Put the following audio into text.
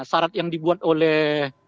sarat yang dibuat oleh